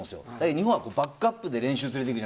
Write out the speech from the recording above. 日本はバックアップで練習するでしょ。